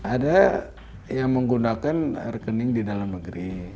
ada yang menggunakan rekening di dalam negeri